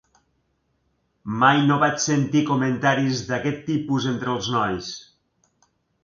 Mai no vaig sentir comentaris d'aquest tipus entre els nois.